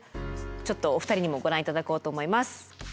ちょっとお二人にもご覧頂こうと思います。